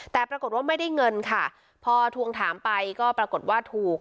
แต่ปรากฏว่าไม่ได้เงินค่ะพอทวงถามไปก็ปรากฏว่าถูก